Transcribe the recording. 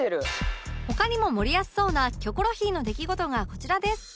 他にも盛りやすそうな『キョコロヒー』の出来事がこちらです